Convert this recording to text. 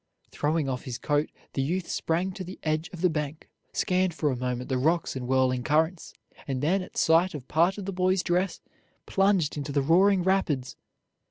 Throwing off his coat, the youth sprang to the edge of the bank, scanned for a moment the rocks and whirling currents, and then, at sight of part of the boy's dress, plunged into the roaring rapids.